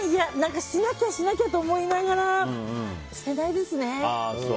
しなきゃ、しなきゃと思いながらしてないですね。